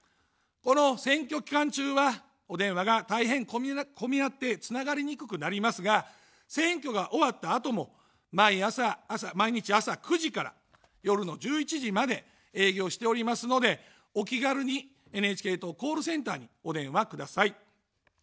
この選挙期間中は、お電話が大変混み合ってつながりにくくなりますが、選挙が終わったあとも毎日朝９時から夜の１１時まで営業しておりますので、お気軽にＮＨＫ党コールセンターにお電話ください。